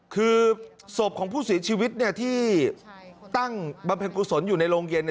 คือศพของผู้เสียชีวิตที่ตั้งบำเพ็ญกุศลอยู่ในโรงเย็น